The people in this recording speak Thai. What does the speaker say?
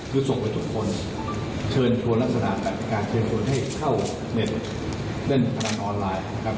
คือส่งไปทุกคนเชิญชวนลักษณะแบบการเชิญชวนให้เข้าในเล่นพนันออนไลน์นะครับ